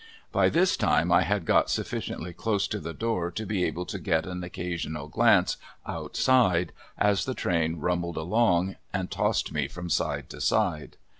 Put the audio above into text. By this time I had got sufficiently close to the door to be able to get an occasional glance outside as the train rumbled along and tossed me from side to side.